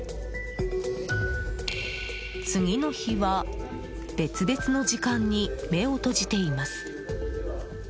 次の日は、別々の時間に目を閉じています。